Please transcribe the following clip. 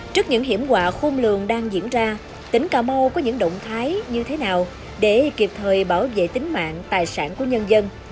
trước những hiểm họa khôn lường đang diễn ra tỉnh cà mau có những động thái như thế nào để kịp thời bảo vệ tính mạng tài sản của nhân dân